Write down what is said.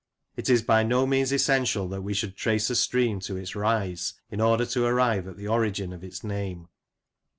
It is by no means essential that we should trace a stream to its rise in order to arrive at the origin of its name.